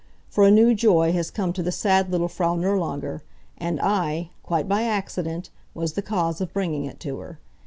For a new joy has come to the sad little Frau Nirlanger, and I, quite by accident, was the cause of bringing it to her.